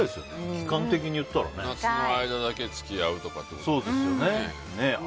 期間的に言ったらね夏の間だけ付き合うってことですよね。